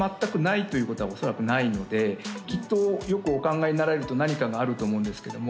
きっとよくお考えになられると何かがあると思うんですけども